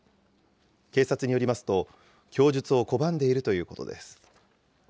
警察によりますと、供述を拒んでいるということです。